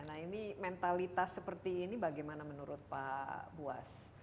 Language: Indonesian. nah ini mentalitas seperti ini bagaimana menurut pak buas